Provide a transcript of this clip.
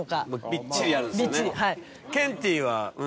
びっちりやるんですよね。